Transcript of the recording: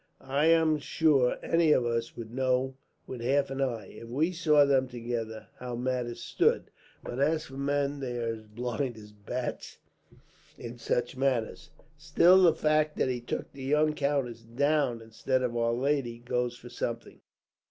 I am sure any of us would know with half an eye, if we saw them together, how matters stood; but as for men, they are as blind as bats in such matters. Still, the fact that he took the young countess down, instead of our lady, goes for something."